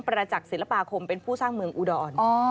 ประจักษ์ศิลปาคมเป็นผู้สร้างเมืองอุดร